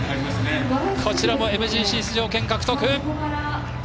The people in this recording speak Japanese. こちらもＭＧＣ出場権獲得。